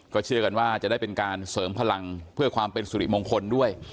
เชื่อกันว่าจะได้เป็นการเสริมพลังเพื่อความเป็นสุริมงคลด้วย